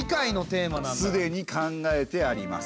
すでに考えてあります。